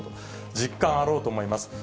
実感あろうと思います。